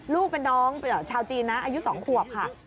ลูกเป็นน้องชาวจีนนะอายุ๒ขวบค่ะ